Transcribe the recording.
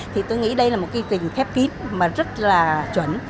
thì tôi nghĩ đây là một quy trình khép kín mà rất là chuẩn